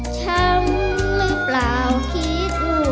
ช้ำหรือเปล่าคิด